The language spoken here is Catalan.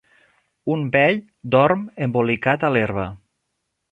Un vell dorm embolicat a l'herba